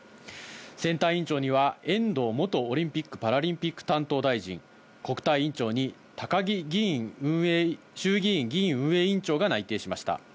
選対委員長には遠藤元オリンピック・パラリンピック担当大臣、国対委員長に高木衆議院議院運営委員長が内定しました。